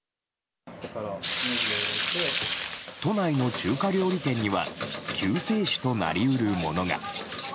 都内の中華料理店には救世主となり得るものが。